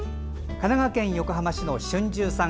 神奈川県横浜市の春秋さん